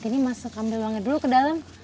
ini masuk ambil uangnya dulu ke dalam